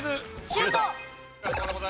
シュート！